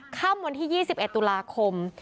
ค่ำวันที่๒๑ตุลาคม